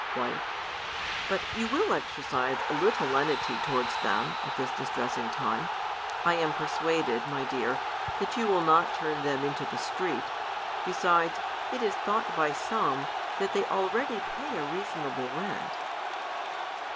Wife, But you will exercise a litde lenity towards them, at this distressing time. 1 am persuaded, my dear, that you will not turn them into the street. Be sides, it is thought by some, that they already pay '' reasonable rent.